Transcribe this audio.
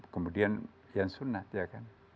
kemudian yang sunnah ya kan